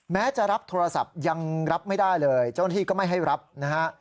แม้จะรับโทรศัพท์ยังรับไม่ได้เลยเจ้าหน้าที่ก็ไม่ให้รับนะฮะ